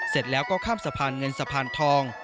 เสร็จแล้วก็ข้ามสะพานเงินสะพานทอง